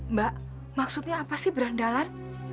mbak maksudnya apa sih berandalan